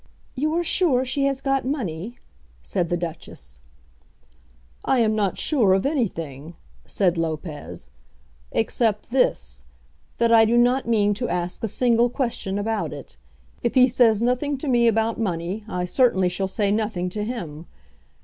"You are sure she has got money?" said the Duchess. "I am not sure of anything," said Lopez, "except this, that I do not mean to ask a single question about it. If he says nothing to me about money, I certainly shall say nothing to him.